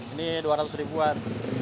ini dua ratus ribuan